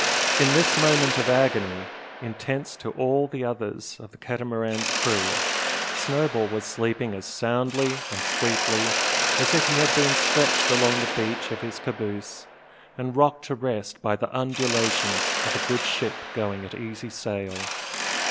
In this moment of agony, intense to all the others of the Catamaran's crew, Snowball was sleeping as soundly and sweetly as if he had been stretched along the bench of his caboose, and rocked to rest by the undulations of a good ship going at easy sail.